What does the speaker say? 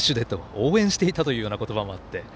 応援していたという言葉もあって。